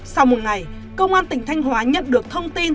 sau một ngày công an tỉnh thanh hóa nhận được thông tin